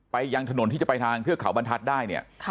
ยังถนนที่จะไปทางเทือกเขาบรรทัศน์ได้เนี่ย